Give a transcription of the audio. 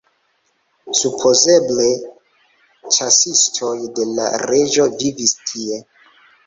Supozeble ĉasistoj de la reĝo vivis tie.